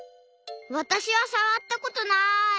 わたしはさわったことない！